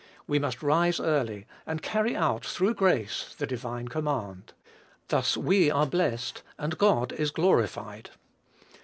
We must rise early, and carry out, through grace, the divine command. Thus we are blessed, and God is glorified.